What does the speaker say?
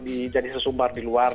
dijadikan sesumbar di luar